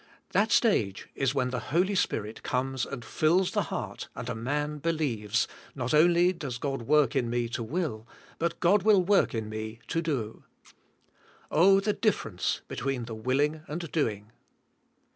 That stage is when the Holy Spirit comes and fills the heart and a man be lieves, not only God does work in me to will^ but God will work in me to do. Oh, the difference be tween the willing and doing.